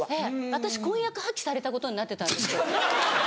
私婚約破棄されたことになってたんですけど。